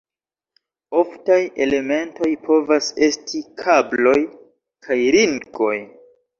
Oftaj elementoj povas esti kabloj, kaj ringoj.